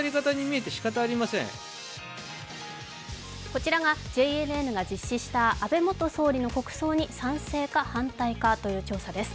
こちらがＪＮＮが実施した安倍元総理の国葬に賛成か反対かという調査です。